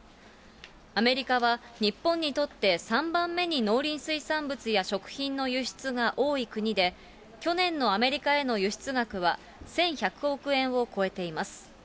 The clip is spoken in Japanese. アメリカは日本にとって３番目に農林水産物や食品の輸出が多い国で、去年のアメリカへの輸出額は１１００億円を超えています。